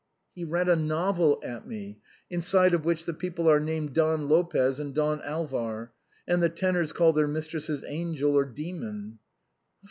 " He read a novel at me, inside of which the people are named Don Lopez and Don Alvar ; and the tenors call their mistresses ' angel,' or ' demon.'